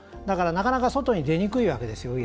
だからなかなか外に出にくいわけです